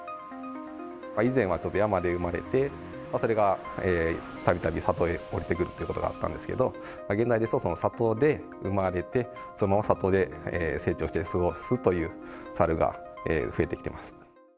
以前はちょっと山で生まれて、それがたびたび里へ下りてくるということがあったんですけれども、現代ですと、里で生まれて、その里で成長して過ごすという猿が増えてきてます。